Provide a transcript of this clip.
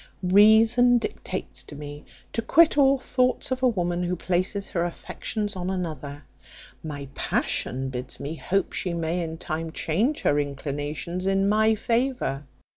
Reason dictates to me, to quit all thoughts of a woman who places her affections on another; my passion bids me hope she may in time change her inclinations in my favour.